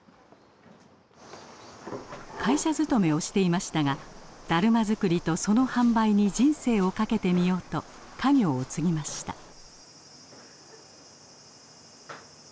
会社勤めをしていましたがだるま作りとその販売に人生を懸けてみようと家業を継ぎました。